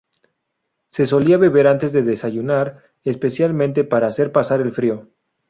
Se solía beber antes de desayunar, especialmente para hacer pasar el frío.